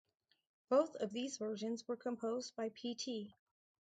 Both of these versions were composed by Pt.